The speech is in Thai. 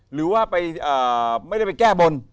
หรือว่าไม่ได้ไปแก้บน